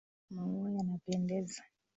Maua yanapendeza.